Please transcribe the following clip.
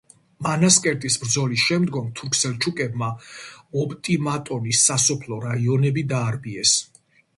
მანასკერტის ბრძოლის შემდგომ, თურქ-სელჩუკებმა, ოპტიმატონის სასოფლო რაიონები დაარბიეს.